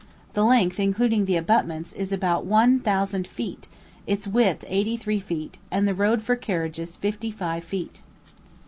The length, including the abutments, is about one thousand feet, its width eighty three feet, and the road for carriages fifty five feet.